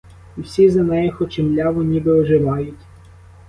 І всі за нею, хоч і мляво, ніби оживають.